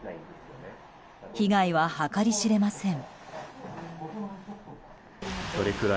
被害は計り知れません。